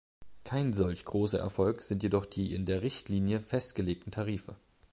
Kein solch großer Erfolg sind jedoch die in der Richtlinie festgelegten Tarife.